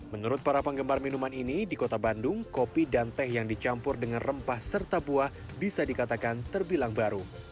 menurut para penggemar minuman ini di kota bandung kopi dan teh yang dicampur dengan rempah serta buah bisa dikatakan terbilang baru